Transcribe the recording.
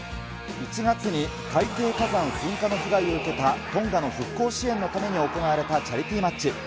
１月に海底火山噴火の被害を受けた、トンガの復興支援のために行われたチャリティーマッチ。